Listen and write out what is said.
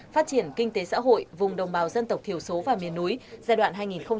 phát triển kinh tế xã hội vùng đồng bào dân tộc thiểu số và miền núi giai đoạn hai nghìn hai mươi một hai nghìn ba mươi